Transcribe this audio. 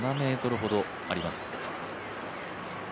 ７ｍほどあります。